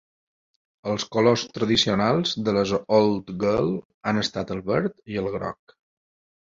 Els colors tradicionals de les Old Girl han estat el verd i el groc.